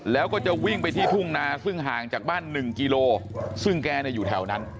แล้วก็จะวิ่งไปที่ทุ่งนาซึ่งห่างจากบ้าน๑กิโลซึ่งแกอยู่แถวนั้น